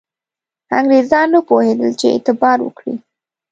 انګرېزان نه پوهېدل چې اعتبار وکړي.